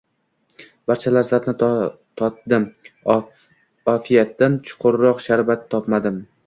Barcha lazzatni totdim, Ofiyatdin chuchukroq sharbat topmadim.